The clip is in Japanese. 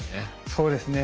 そうですね。